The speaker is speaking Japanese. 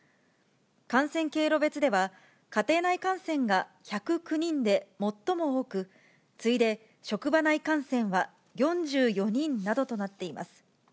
感染経路別では、家庭内感染が１０９人で最も多く、次いで、職場内感染は４４人などとなっています。